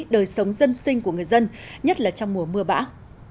đời sống dân sinh của người dân nhất là trong mùa mưa bão